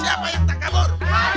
siapa yang tak kabur